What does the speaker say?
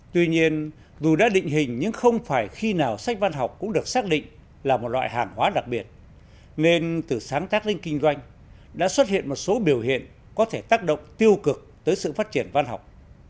tuy nhiên dù đã định hình nhưng không phải khi nào sách văn học cũng được xác định là một loại hàng hóa đặc biệt nên từ sáng tác đến kinh doanh đã xuất hiện một số biểu hiện có thể tác động tiêu cực tới sự phát triển văn học